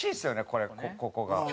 これここが。